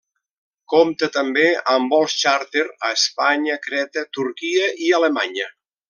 Compta també amb vols xàrter a Espanya, Creta, Turquia i Alemanya.